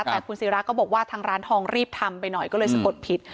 แต่คุณศิราก็บอกว่าทางร้านทองรีบทำไปหน่อยก็เลยสะกดผิด